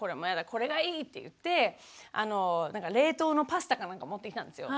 これがいいって言って冷凍のパスタか何か持ってきたんですよ。